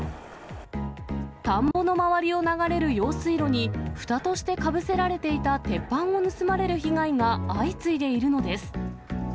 田んぼの周りを流れる用水路にふたとしてかぶせられていた鉄板を盗まれる被害が相次いでいるのです。